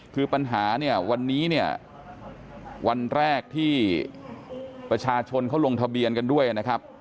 คือปัญหาเนี่ยวันนี้เนี่ยวันแรกที่ประชาชนเขาลงทะเบียนกันด้วยนะครับ